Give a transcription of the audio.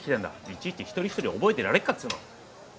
いちいち一人一人覚えてられっかっつうの。